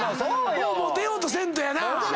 もうモテようとせんとやな。